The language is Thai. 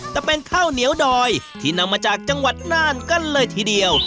แต่เป็นข้าวเหนียวดอยที่นำมาจากจังหวัดน่านกันเลยทีเดียว